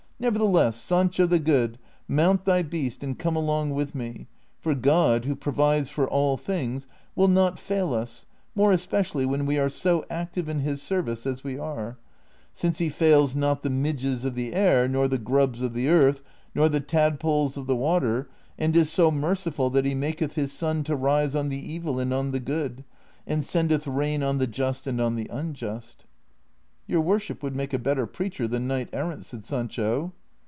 Nevertheless, Sancho the Good, mount thy beast and come along with me, for God, who provides for all things, will not fail us (more especially Avhen we are so active in his service as we are), since he fails not the midges of the air, nor the grubs of the earth, nor the tad poles of the water, and is so merciful that he maketh his sun to rise on the evil and on the good, and sendeth rain on the just and on the unjust." " Your worsliip would make a better preacher than knight errant," said Sancho.